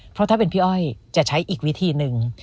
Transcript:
เพราะถ้าเป็นพี่อ้อยจะใช้อีกวิธีหนึ่ง